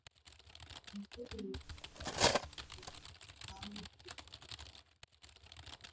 inaunganishwa kwenye vyombo vya umoja wa afrika mashariki ikiwa